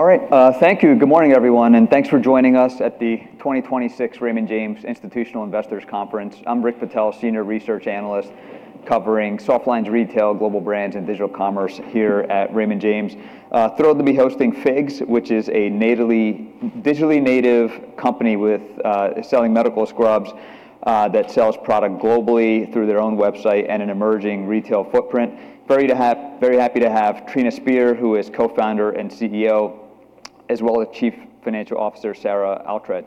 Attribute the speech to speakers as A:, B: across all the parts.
A: All right. Thank you. Good morning, everyone, and thanks for joining us at the 2026 Raymond James Institutional Investors Conference. I'm Rick Patel, Senior Research Analyst covering softlines, retail, global brands, and digital commerce here at Raymond James. Thrilled to be hosting FIGS, which is a digitally native company with selling medical scrubs that sells product globally through their own website and an emerging retail footprint. Very happy to have Trina Spear, who is Co-founder and CEO, as well as Chief Financial Officer, Sarah Oughtred.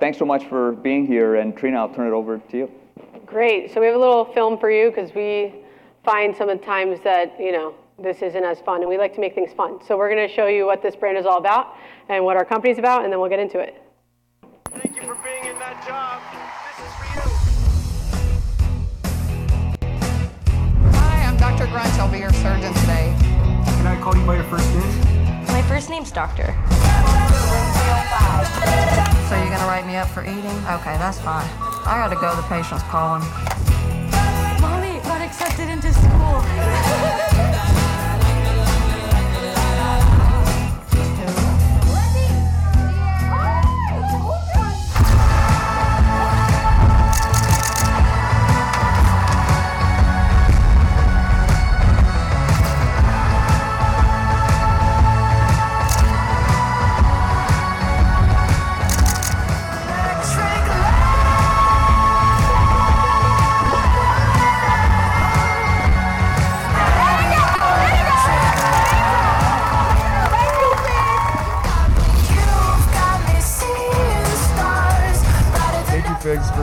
A: Thanks so much for being here. Trina, I'll turn it over to you.
B: Great. We have a little film for you 'cause we find some of the times that this isn't as fun, and we like to make things fun. We're gonna show you what this brand is all about and what our company's about, we'll get into it.
C: Thank you for being in that job. This is for you. Hi, I'm Dr. Grunt. I'll be your surgeon today. Can I call you by your first name? My first name's Doctor. Room 305. You're gonna write me up for eating? Okay, that's fine. I gotta go. The patient's calling. Mommy, I got accepted into school.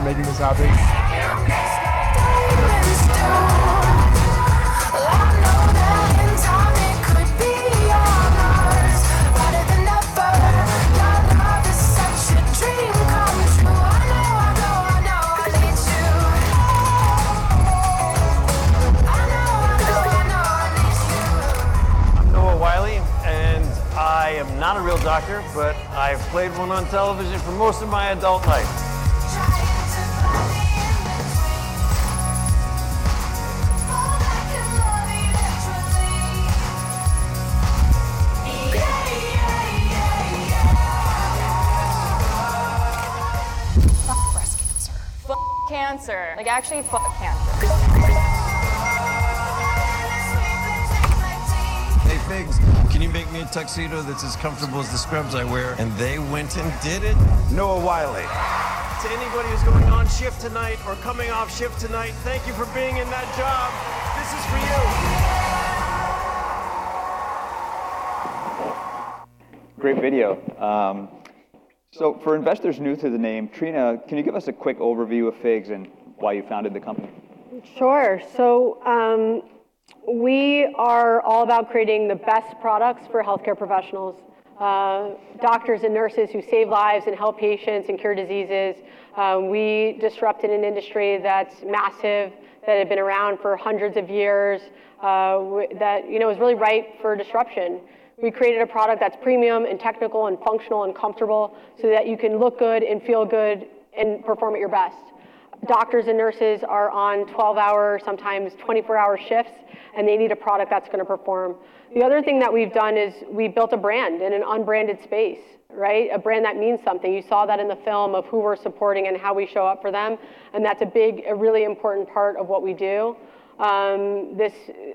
C: Lenny! Electric lady! There we go. There we go. Thank you, FIGS. You've got me seeing stars. Thank you, FIGS, for making this happen. Thank you, FIGS. Diamonds too. I know that in time it could be all ours. Brighter than ever. Your love is such a dream come true. I know I need you. I know I need you. I'm Noah Wyle, and I am not a real doctor, but I've played one on television for most of my adult life. Trying to find the in between. Fall back in love eventually. Yeah, yeah, yeah. breast cancer. cancer. Like, actually cancer. Sweeter than sweet but tastes like tea.
A: Hey, FIGS, can you make me a tuxedo that's as comfortable as the scrubs I wear? They went and did it. Noah Wyle. To anybody who's going on shift tonight or coming off shift tonight, thank you for being in that job. This is for you. Great video. For investors new to the name, Trina, can you give us a quick overview of FIGS and why you founded the company?
B: Sure. We are all about creating the best products for healthcare professionals, doctors and nurses who save lives and help patients and cure diseases. We disrupted an industry that's massive, that had been around for hundreds of years, that is really ripe for disruption. We created a product that's premium and technical and functional and comfortable so that you can look good and feel good and perform at your best. Doctors and nurses are on 12-hour, sometimes 24-hour shifts, and they need a product that's gonna perform. The other thing that we've done is we built a brand in an unbranded space, right? A brand that means something. You saw that in the film of who we're supporting and how we show up for them, that's a big, really important part of what we do. This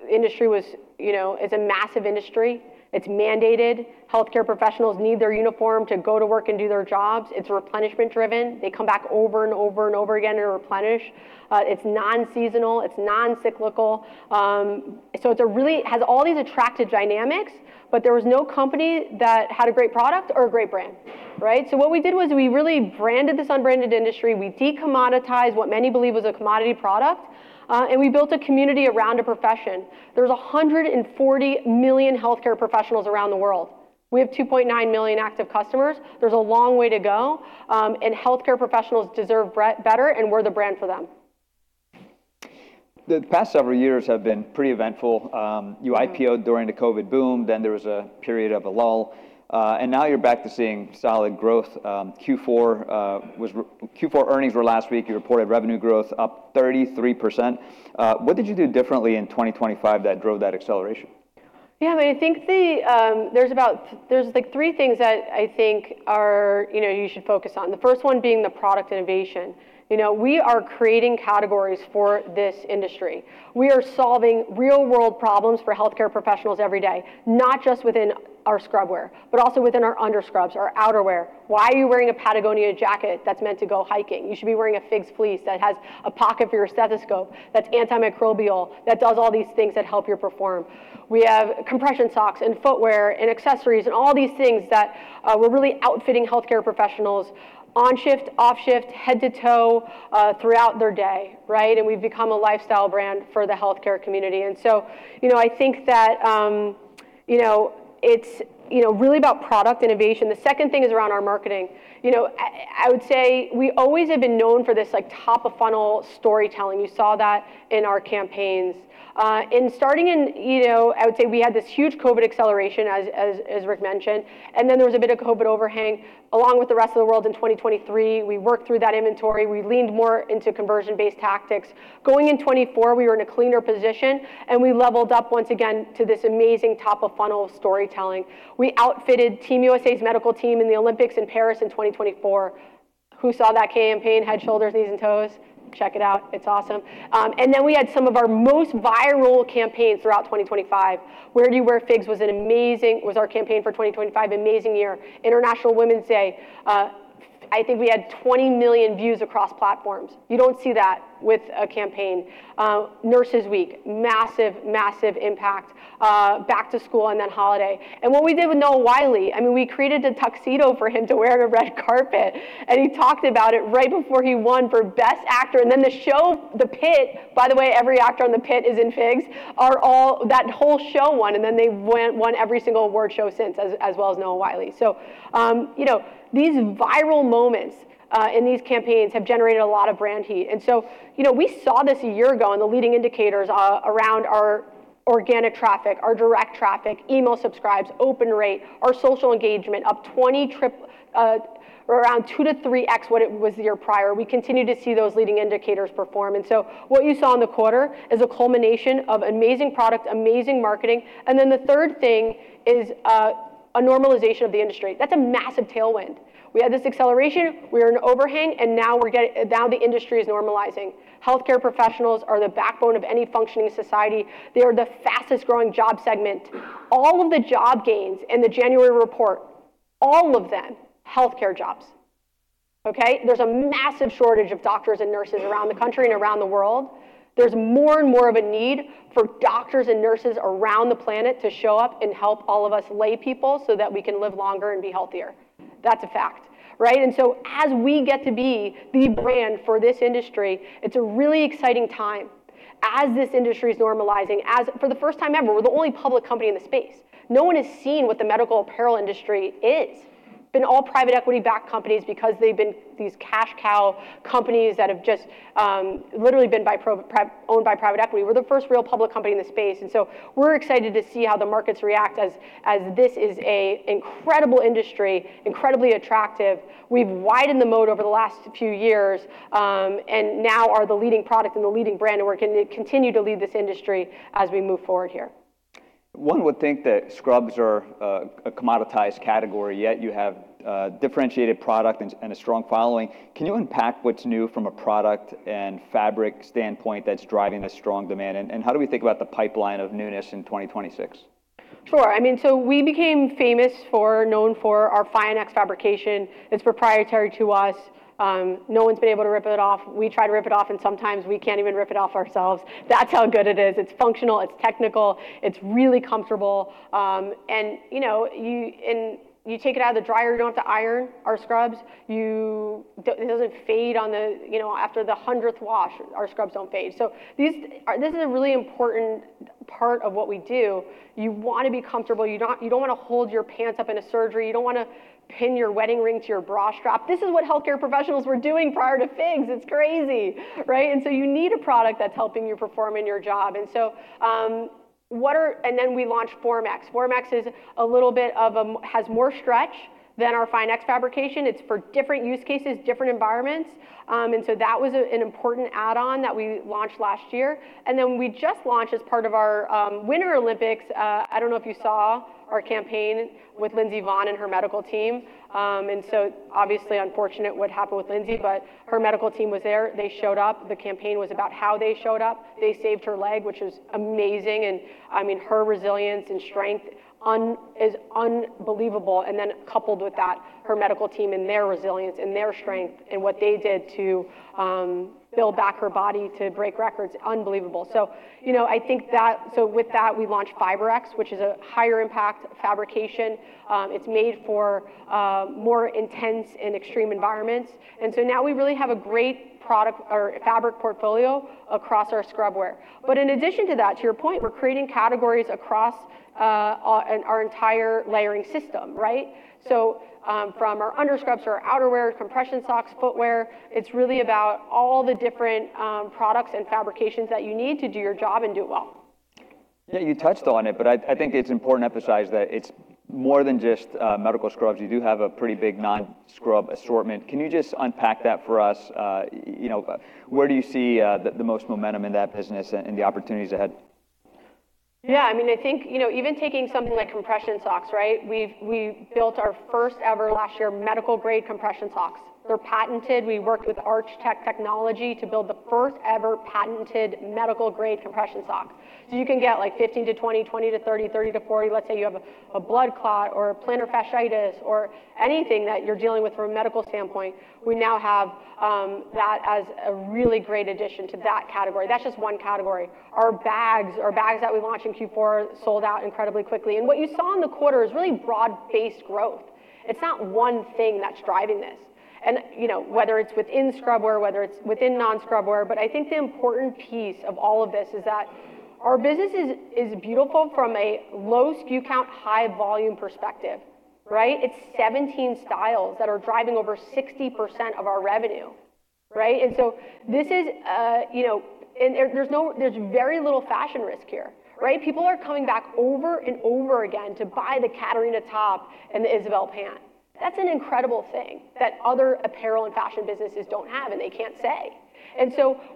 B: industry was is a massive industry. It's mandated. Healthcare professionals need their uniform to go to work and do their jobs. It's replenishment driven. They come back over and over and over again to replenish. It's non-seasonal. It's non-cyclical. It has all these attractive dynamics, but there was no company that had a great product or a great brand, right? What we did was we really branded this unbranded industry. We de-commoditized what many believe was a commodity product, and we built a community around a profession. There's 140 million healthcare professionals around the world. We have 2.9 million active customers. There's a long way to go, and healthcare professionals deserve better, and we're the brand for them.
A: The past several years have been pretty eventful.
B: Mm-hmm.
A: You IPO'd during the COVID boom. There was a period of a lull. Now you're back to seeing solid growth. Q4 earnings were last week. You reported revenue growth up 33%. What did you do differently in 2025 that drove that acceleration?
B: Yeah, I mean, I think there's, like, three things that I think are you should focus on. The first one being the product innovation. You know, we are creating categories for this industry. We are solving real-world problems for healthcare professionals every day, not just within our scrub wear, but also within our under scrubs, our outer wear. Why are you wearing a Patagonia jacket that's meant to go hiking? You should be wearing a FIGS fleece that has a pocket for your stethoscope, that's antimicrobial, that does all these things that help you perform. We have compression socks and footwear and accessories and all these things that we're really outfitting healthcare professionals on shift, off shift, head to toe, throughout their day, right? We've become a lifestyle brand for the healthcare community. You know, I think that it's really about product innovation. The second thing is around our marketing. You know, I would say we always have been known for this, like, top-of-funnel storytelling. You saw that in our campaigns. In starting in I would say we had this huge COVID acceleration, as Rick mentioned, and then there was a bit of COVID overhang along with the rest of the world in 2023. We worked through that inventory. We leaned more into conversion-based tactics. Going in 2024, we were in a cleaner position, and we leveled up once again to this amazing top-of-funnel storytelling. We outfitted Team USA's medical team in the Olympics in Paris in 2024. Who saw that campaign, Head, Shoulders, Knees and Toes? Check it out. It's awesome. Then we had some of our most viral campaigns throughout 2025. Where Do You Wear FIGS was our campaign for 2025, amazing year. International Women's Day, I think we had 20 million views across platforms. You don't see that with a campaign. Nurses Week, massive impact. Back to school and then holiday. What we did with Noah Wyle, I mean, we created a tuxedo for him to wear on a red carpet, and he talked about it right before he won for Best Actor. Then the show, The Pitt, by the way, every actor on The Pitt is in FIGS, that whole show won, and then they've won every single award show since, as well as Noah Wyle. You know, these viral moments in these campaigns have generated a lot of brand heat. You know, we saw this a year ago, and the leading indicators around our organic traffic, our direct traffic, email subscribes, open rate, our social engagement, up around 2x-3x what it was the year prior. We continue to see those leading indicators perform. What you saw in the quarter is a culmination of amazing product, amazing marketing, and then the third thing is a normalization of the industry. That's a massive tailwind. We had this acceleration, we're in overhang, and now the industry is normalizing. Healthcare professionals are the backbone of any functioning society. They are the fastest-growing job segment. All of the job gains in the January report, all of them, healthcare jobs. Okay? There's a massive shortage of doctors and nurses around the country and around the world. There's more and more of a need for doctors and nurses around the planet to show up and help all of us laypeople so that we can live longer and be healthier. That's a fact, right? As we get to be the brand for this industry, it's a really exciting time. As this industry is normalizing, for the first time ever, we're the only public company in the space. No one has seen what the medical apparel industry is. Been all private equity-backed companies because they've been these cash cow companies that have just literally been owned by private equity. We're the first real public company in the space. We're excited to see how the markets react as this is a incredible industry, incredibly attractive. We've widened the moat over the last few years, and now are the leading product and the leading brand, and we're gonna continue to lead this industry as we move forward here.
A: One would think that scrubs are a commoditized category, yet you have a differentiated product and a strong following. Can you unpack what's new from a product and fabric standpoint that's driving this strong demand? How do we think about the pipeline of newness in 2026?
B: I mean, we became famous for, known for our FIONx fabrication. It's proprietary to us. No one's been able to rip it off. We try to rip it off, and sometimes we can't even rip it off ourselves. That's how good it is. It's functional, it's technical, it's really comfortable. You know, you take it out of the dryer, you don't have to iron our scrubs. It doesn't fade on the after the 100th wash, our scrubs don't fade. This is a really important part of what we do. You wanna be comfortable. You don't wanna hold your pants up in a surgery. You don't wanna pin your wedding ring to your bra strap. This is what healthcare professionals were doing prior to FIGS. It's crazy, right? You need a product that's helping you perform in your job. We launched FORMx. FORMx is a little bit of a has more stretch than our FIONx fabrication. It's for different use cases, different environments. That was an important add-on that we launched last year. We just launched as part of our Winter Olympics, I don't know if you saw our campaign with Lindsey Vonn and her medical team. Obviously unfortunate what happened with Lindsey, but her medical team was there. They showed up. The campaign was about how they showed up. They saved her leg, which is amazing. I mean, her resilience and strength is unbelievable. Coupled with that, her medical team and their resilience and their strength and what they did to build back her body to break records, unbelievable. You know, I think that with that, we launched FORMx, which is a higher impact fabrication. It's made for more intense and extreme environments. Now we really have a great product or fabric portfolio across our scrub wear. In addition to that, to your point, we're creating categories across our entire layering system, right? From our underscrubs to our outerwear, compression socks, footwear, it's really about all the different products and fabrications that you need to do your job and do it well.
A: Yeah, you touched on it, but I think it's important to emphasize that it's more than just medical scrubs. You do have a pretty big non-scrub assortment. Can you just unpack that for us? You know, where do you see the most momentum in that business and the opportunities ahead?
B: Yeah, I mean, I think even taking something like compression socks, right? We've built our first ever last year medical grade compression socks. They're patented. We worked with ArchTek Technology to build the first ever patented medical grade compression sock. You can get like 15 to 20 to 30 to 40. Let's say you have a blood clot or plantar fasciitis or anything that you're dealing with from a medical standpoint, we now have that as a really great addition to that category. That's just one category. Our bags that we launched in Q4 sold out incredibly quickly. What you saw in the quarter is really broad-based growth. It's not one thing that's driving this. You know, whether it's within scrub wear, whether it's within non-scrub wear, but I think the important piece of all of this is that our business is beautiful from a low SKU count, high volume perspective, right? It's 17 styles that are driving over 60% of our revenue. Right? This is, you know. There's very little fashion risk here, right? People are coming back over and over again to buy the Catarina top and the Isabelle pant. That's an incredible thing that other apparel and fashion businesses don't have and they can't say.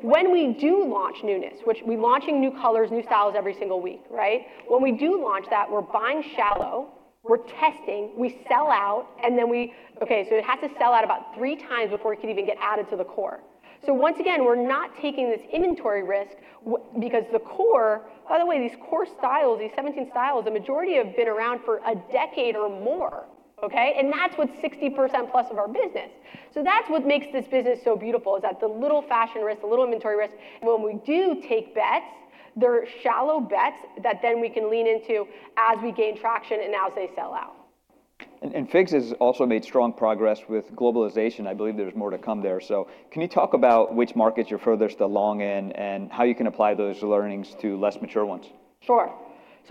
B: When we do launch newness, which we're launching new colors, new styles every single week, right? When we do launch that, we're buying shallow, we're testing, we sell out, and then we... Okay, it has to sell out about 3 times before it can even get added to the core. Once again, we're not taking this inventory risk because the core... By the way, these core styles, these 17 styles, the majority have been around for a decade or more, okay? That's what 60% plus of our business. That's what makes this business so beautiful, is that the little fashion risk, the little inventory risk, when we do take bets, they're shallow bets that then we can lean into as we gain traction and as they sell out.
A: FIGS has also made strong progress with globalization. I believe there's more to come there. Can you talk about which markets you're furthest along in and how you can apply those learnings to less mature ones?
B: Sure.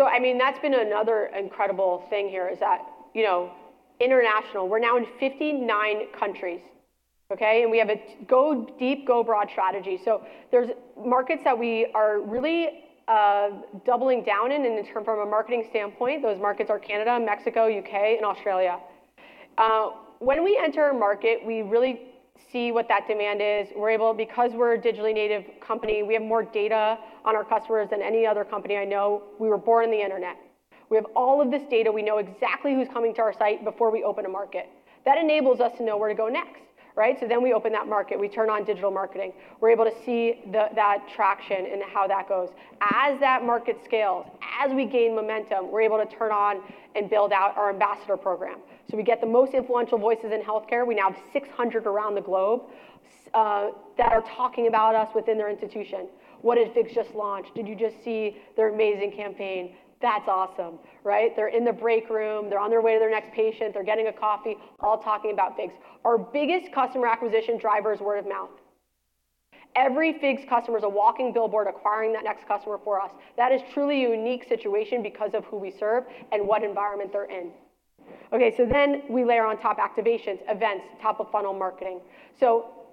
B: I mean, that's been another incredible thing here, is that international, we're now in 59 countries, okay? We have a go deep, go broad strategy. There's markets that we are really doubling down in in the term from a marketing standpoint. Those markets are Canada, Mexico, U.K., and Australia. When we enter a market, we really see what that demand is. We're able, because we're a digitally native company, we have more data on our customers than any other company I know. We were born in the internet. We have all of this data. We know exactly who's coming to our site before we open a market. That enables us to know where to go next, right? We open that market, we turn on digital marketing. We're able to see that traction and how that goes. As that market scales, as we gain momentum, we're able to turn on and build out our ambassador program. We get the most influential voices in healthcare. We now have 600 around the globe that are talking about us within their institution. "What did FIGS just launch? Did you just see their amazing campaign? That's awesome." Right? They're in the break room, they're on their way to their next patient, they're getting a coffee, all talking about FIGS. Our biggest customer acquisition driver is word of mouth. Every FIGS customer is a walking billboard acquiring that next customer for us. That is truly a unique situation because of who we serve and what environment they're in. We layer on top activations, events, top-of-funnel marketing.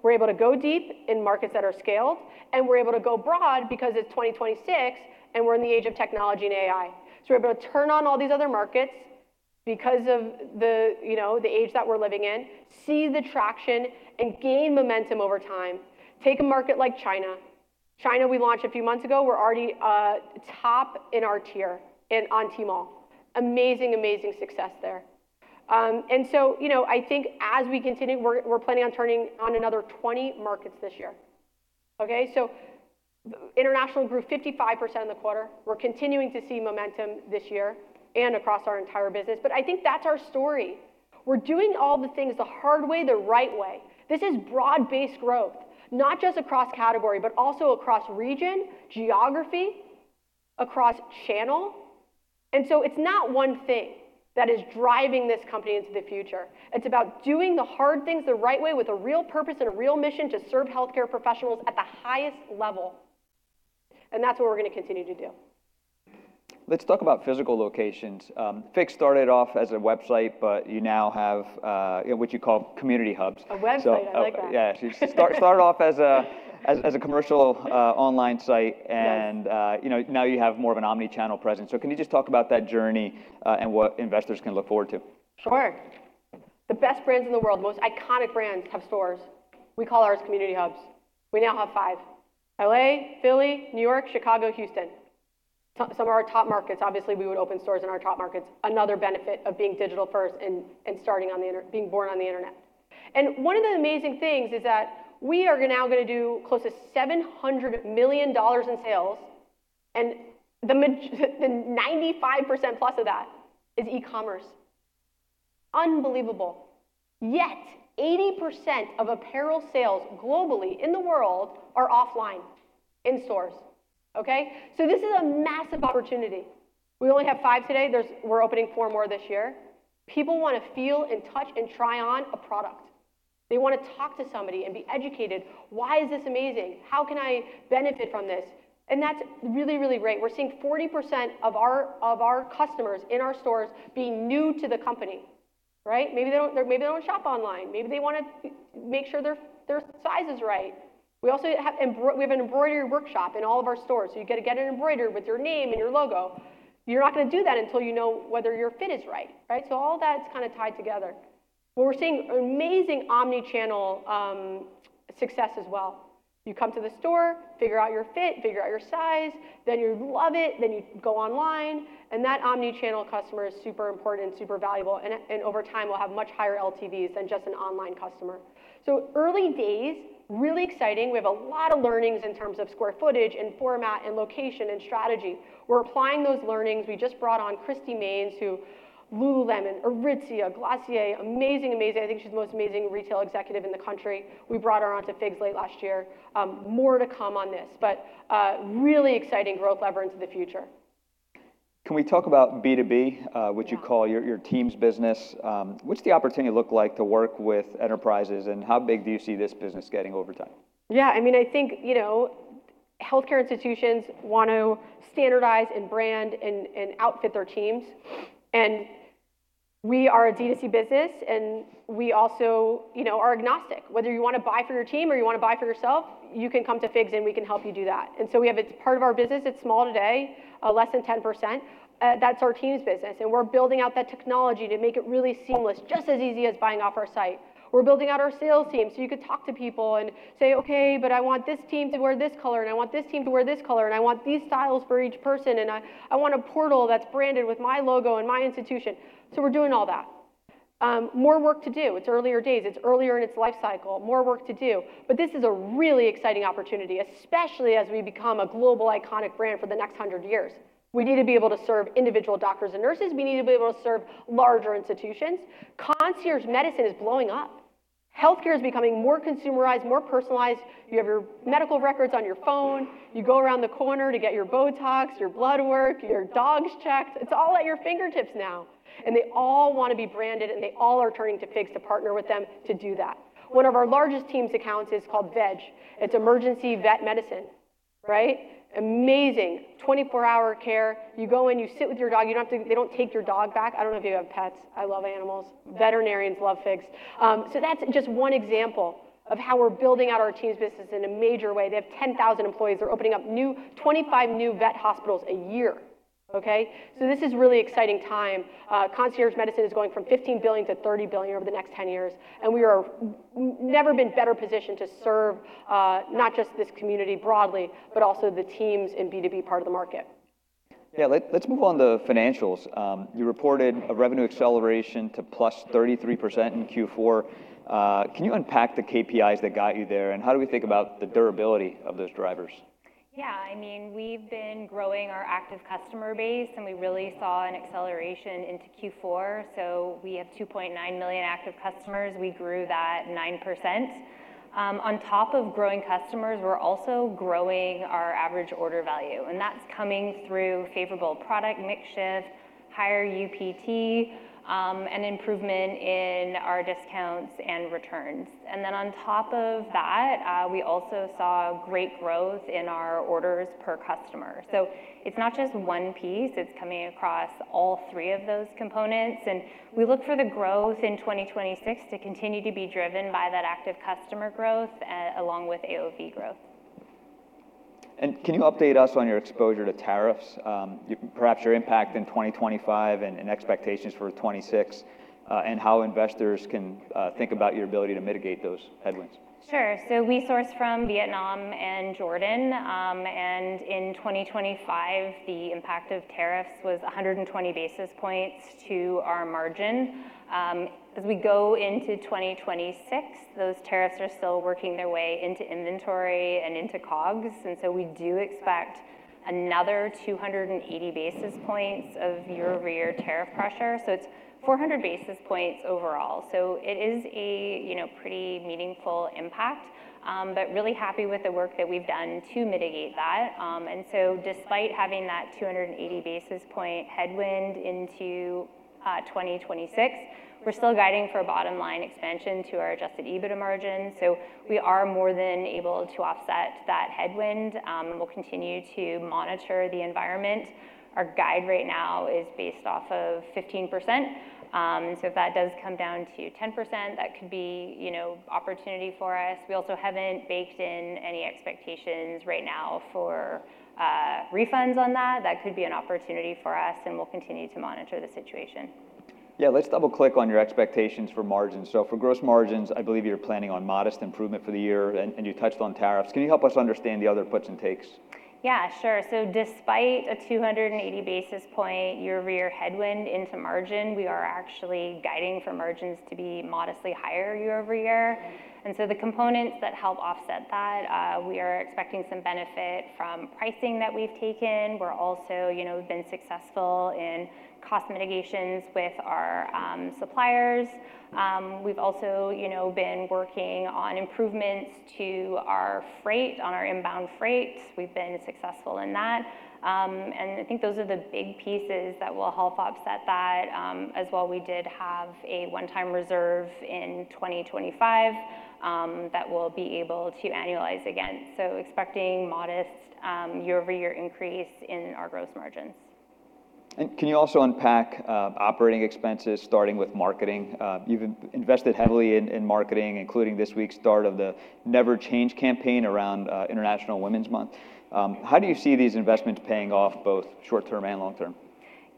B: We're able to go deep in markets that are scaled, and we're able to go broad because it's 2026 and we're in the age of technology and AI. We're able to turn on all these other markets because of the the age that we're living in, see the traction, and gain momentum over time. Take a market like China. China we launched a few months ago. We're already top in our tier on Tmall. Amazing, amazing success there. You know, I think as we continue, we're planning on turning on another 20 markets this year. Okay. International grew 55% in the quarter. We're continuing to see momentum this year and across our entire business, I think that's our story. We're doing all the things the hard way, the right way. This is broad-based growth, not just across category, but also across region, geography, across channel. It's not one thing that is driving this company into the future. It's about doing the hard things the right way with a real purpose and a real mission to serve healthcare professionals at the highest level. That's what we're gonna continue to do.
A: Let's talk about physical locations. FIGS started off as a website. You now have, what you call Community Hubs.
B: A website. I like that.
A: Yeah. Start off as a commercial, online site.
B: Yes...
A: you know, now you have more of an omni-channel presence. Can you just talk about that journey, and what investors can look forward to?
B: Sure. The best brands in the world, most iconic brands have stores. We call ours Community Hubs. We now have five: L.A., Philly, New York, Chicago, Houston. Some of our top markets. Obviously, we would open stores in our top markets. Another benefit of being digital first and being born on the internet. One of the amazing things is that we are now gonna do close to $700 million in sales, and the 95% plus of that is e-commerce. Unbelievable. 80% of apparel sales globally, in the world, are offline, in stores, okay? This is a massive opportunity. We only have five today. We're opening four more this year. People wanna feel and touch and try on a product. They wanna talk to somebody and be educated. Why is this amazing? How can I benefit from this? That's really, really great. We're seeing 40% of our customers in our stores being new to the company, right? Maybe they don't, maybe they don't shop online. Maybe they wanna make sure their size is right. We also have an embroidery workshop in all of our stores, so you get to get it embroidered with your name and your logo, but you're not gonna do that until you know whether your fit is right? All that's kinda tied together. We're seeing amazing omni-channel success as well. You come to the store, figure out your fit, figure out your size, then you love it, then you go online, that omni-channel customer is super important and super valuable, and over time will have much higher LTVs than just an online customer. Early days, really exciting. We have a lot of learnings in terms of square footage and format and location and strategy. We're applying those learnings. We just brought on Kristy Maynes, who lululemon, Aritzia, Glossier, amazing. I think she's the most amazing retail executive in the country. We brought her onto Figs late last year. More to come on this, really exciting growth lever into the future.
A: Can we talk about B2B, which you call your teams business? What's the opportunity look like to work with enterprises, and how big do you see this business getting over time?
B: Yeah, I mean, I think healthcare institutions want to standardize and brand and outfit their teams. We are a D2C business, and we also are agnostic. Whether you wanna buy for your team or you wanna buy for yourself, you can come to FIGS, and we can help you do that. It's part of our business. It's small today, less than 10%. That's our teams business, and we're building out that technology to make it really seamless, just as easy as buying off our site. We're building out our sales team, so you can talk to people and say, "Okay, but I want this team to wear this color, and I want this team to wear this color, and I want these styles for each person, and I want a portal that's branded with my logo and my institution." We're doing all that. More work to do. It's earlier days. It's earlier in its life cycle. More work to do. This is a really exciting opportunity, especially as we become a global iconic brand for the next 100 years. We need to be able to serve individual doctors and nurses. We need to be able to serve larger institutions. Concierge medicine is blowing up. Healthcare is becoming more consumerized, more personalized. You have your medical records on your phone. You go around the corner to get your Botox, your blood work, your dogs checked. It's all at your fingertips now, and they all wanna be branded, and they all are turning to FIGS to partner with them to do that. One of our largest teams accounts is called VEG. It's emergency vet medicine, right? Amazing. 24-hour care. You go in, you sit with your dog. They don't take your dog back. I don't know if you have pets. I love animals. Veterinarians love FIGS. That's just one example of how we're building out our teams business in a major way. They have 10,000 employees. They're opening up 25 new vet hospitals a year, okay? This is really exciting time. Concierge medicine is going from $15 billion to $30 billion over the next 10 years. We are never been better positioned to serve, not just this community broadly, but also the teams in B2B part of the market.
A: Yeah. Let's move on to financials. You reported a revenue acceleration to plus 33% in Q4. Can you unpack the KPIs that got you there, and how do we think about the durability of those drivers?
D: Yeah. I mean, we've been growing our active customer base. We really saw an acceleration into Q4. We have $2.9 million active customers. We grew that 9%. On top of growing customers, we're also growing our average order value. That's coming through favorable product mix shift, higher UPT, and improvement in our discounts and returns. On top of that, we also saw great growth in our orders per customer. It's not just one piece. It's coming across all three of those components. We look for the growth in 2026 to continue to be driven by that active customer growth, along with AOV growth.
A: Can you update us on your exposure to tariffs, perhaps your impact in 2025 and expectations for 2026, and how investors can think about your ability to mitigate those headwinds?
D: Sure. We source from Vietnam and Jordan, in 2025, the impact of tariffs was 120 basis points to our margin. As we go into 2026, those tariffs are still working their way into inventory, into COGS, we do expect another 280 basis points of year-over-year tariff pressure. It's 400 basis points overall. It is a pretty meaningful impact, but really happy with the work that we've done to mitigate that. Despite having that 280 basis point headwind into 2026, we're still guiding for a bottom-line expansion to our adjusted EBITDA margin. We are more than able to offset that headwind, we'll continue to monitor the environment. Our guide right now is based off of 15%, so if that does come down to 10%, that could be opportunity for us. We also haven't baked in any expectations right now for refunds on that. That could be an opportunity for us, and we'll continue to monitor the situation.
A: Yeah. Let's double-click on your expectations for margins. For gross margins, I believe you're planning on modest improvement for the year, and you touched on tariffs. Can you help us understand the other puts and takes?
D: Yeah. Sure. Despite a 280 basis point year-over-year headwind into margin, we are actually guiding for margins to be modestly higher year-over-year. The components that help offset that, we are expecting some benefit from pricing that we've taken. We're also been successful in cost mitigations with our suppliers. We've also been working on improvements to our freight, on our inbound freight. We've been successful in that. I think those are the big pieces that will help offset that. As well, we did have a one-time reserve in 2025 that we'll be able to annualize again. Expecting modest year-over-year increase in our gross margins.
A: Can you also unpack operating expenses starting with marketing? You've invested heavily in marketing, including this week's start of the Never Change campaign around International Women's Month. How do you see these investments paying off both short-term and long-term?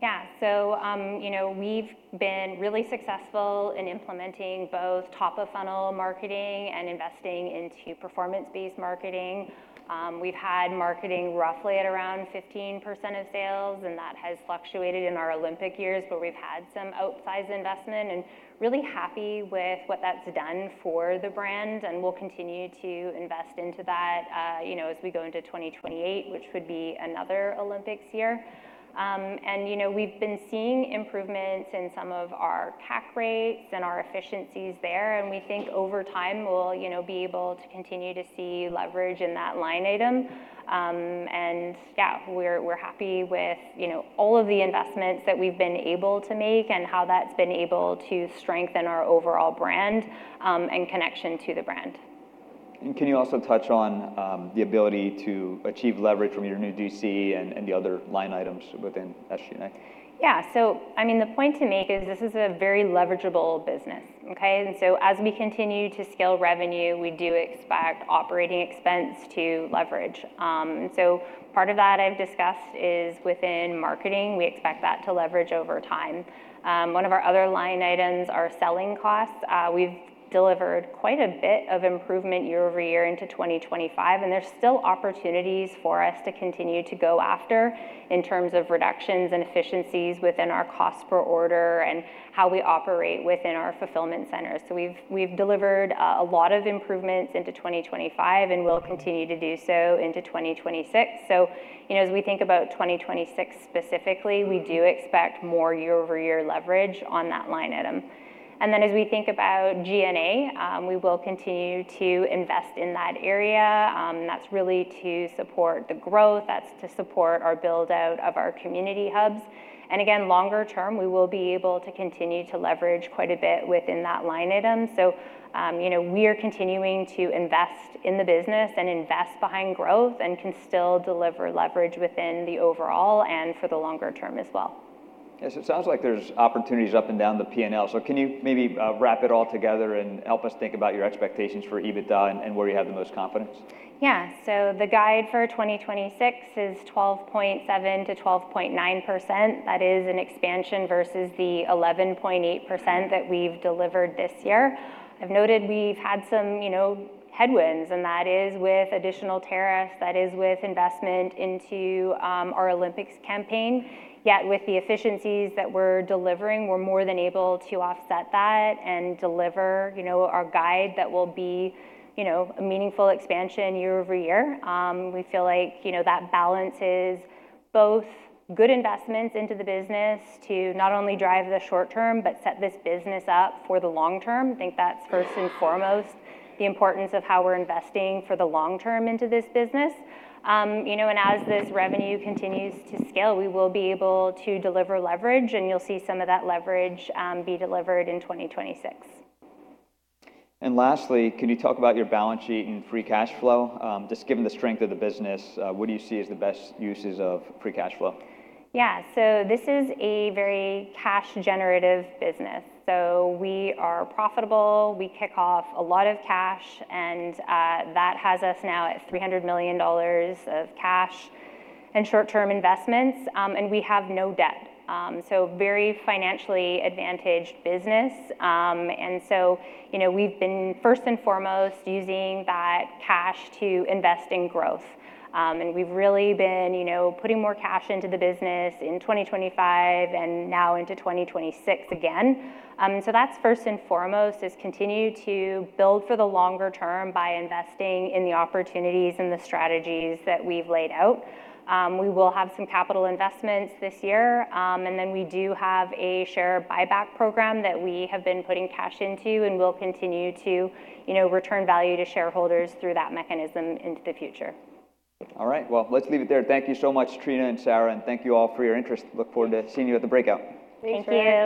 D: Yeah. You know, we've been really successful in implementing both top-of-funnel marketing and investing into performance-based marketing. We've had marketing roughly at around 15% of sales, and that has fluctuated in our Olympics years, but we've had some outsized investment, and really happy with what that's done for the brand, and we'll continue to invest into that as we go into 2028, which would be another Olympics year. You know, we've been seeing improvements in some of our CAC rates and our efficiencies there, and we think over time we'll be able to continue to see leverage in that line item. Yeah, we're happy with all of the investments that we've been able to make and how that's been able to strengthen our overall brand, and connection to the brand.
A: Can you also touch on the ability to achieve leverage from your new DC and the other line items within SG&A?
D: Yeah. I mean, the point to make is this is a very leverageable business, okay? As we continue to scale revenue, we do expect operating expense to leverage. Part of that I've discussed is within marketing. We expect that to leverage over time. One of our other line items are selling costs. We've delivered quite a bit of improvement year-over-year into 2025, and there's still opportunities for us to continue to go after in terms of reductions and efficiencies within our cost per order and how we operate within our fulfillment centers. We've delivered a lot of improvements into 2025, and we'll continue to do so into 2026. You know, as we think about 2026 specifically, we do expect more year-over-year leverage on that line item. As we think about G&A, we will continue to invest in that area. That's really to support the growth, that's to support our build-out of our Community Hubs. Again, longer term, we will be able to continue to leverage quite a bit within that line item. You know, we're continuing to invest in the business and invest behind growth and can still deliver leverage within the overall and for the longer term as well.
A: Yes, it sounds like there's opportunities up and down the P&L. Can you maybe wrap it all together and help us think about your expectations for EBITDA and where you have the most confidence?
D: The guide for 2026 is 12.7%-12.9%. That is an expansion versus the 11.8% that we've delivered this year. I've noted we've had some headwinds, and that is with additional tariffs, that is with investment into our Olympics campaign. With the efficiencies that we're delivering, we're more than able to offset that and deliver our guide that will be a meaningful expansion year-over-year. We feel like that balances both good investments into the business to not only drive the short term, but set this business up for the long term. Think that's first and foremost the importance of how we're investing for the long term into this business. You know, as this revenue continues to scale, we will be able to deliver leverage, and you'll see some of that leverage be delivered in 2026.
A: Lastly, can you talk about your balance sheet and free cash flow? Just given the strength of the business, what do you see as the best uses of free cash flow?
D: Yeah. This is a very cash generative business. We are profitable, we kick off a lot of cash, and that has us now at $300 million of cash and short-term investments. We have no debt. Very financially advantaged business. You know, we've been first and foremost using that cash to invest in growth. We've really been putting more cash into the business in 2025 and now into 2026 again. That's first and foremost is continue to build for the longer term by investing in the opportunities and the strategies that we've laid out. We will have some capital investments this year. Then we do have a share buyback program that we have been putting cash into and will continue to return value to shareholders through that mechanism into the future.
A: All right. Well, let's leave it there. Thank you so much, Trina and Sarah, and thank you all for your interest. Look forward to seeing you at the breakout.
D: Thanks for having us.